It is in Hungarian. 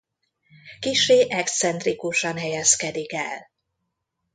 Kissé excentrikusan helyezkedik el.